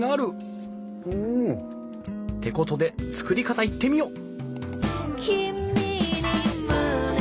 うん！ってことで作り方いってみよう！